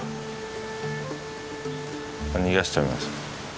逃がしちゃいます。